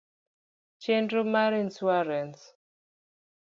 Chenro mar insuarans